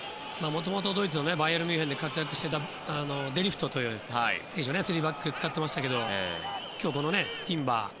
もともとドイツのバイエルン・ミュンヘンで活躍していたデリフトという選手を３バックで使っていましたが今日はティンバーが。